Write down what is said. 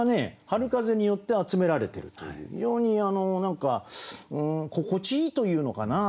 春風によって集められてるという非常に何か心地いいというのかな。